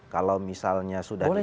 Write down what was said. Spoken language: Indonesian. kalau misalnya sudah diputuskan